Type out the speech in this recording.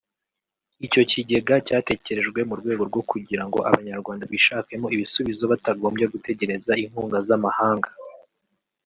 Icyo kigega cyatekerejwe mu rwego rwo kugira ngo Abanyarwanda bishakemo ibisubizo batagombye gutegereza inkunga z’amahanga